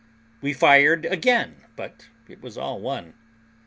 We fired again, but it was all one.